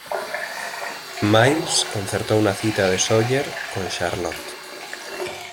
Miles concertó una cita de Sawyer con Charlotte.